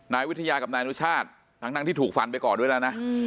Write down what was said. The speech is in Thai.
นายวิทยากับนายอนุชาติทั้งที่ถูกฟันไปก่อนด้วยแล้วนะ